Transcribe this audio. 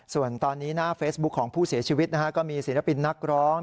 ส่วนตอนนี้หน้าเฟซบุ๊คของผู้เสียชีวิตนะฮะก็มีศิลปินนักร้อง